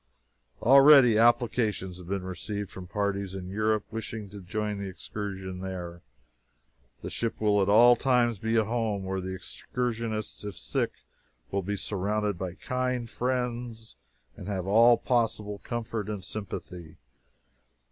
Already, applications have been received from parties in Europe wishing to join the Excursion there. The ship will at all times be a home, where the excursionists, if sick, will be surrounded by kind friends, and have all possible comfort and sympathy.